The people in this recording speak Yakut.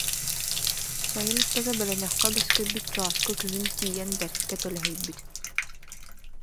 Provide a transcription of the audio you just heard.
Сайын устата бөлөнөххө бөскөйбүт чооску күһүн тиийэн бэркэ төлөһүйбүт